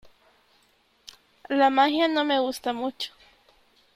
La magia no me gusta mucho.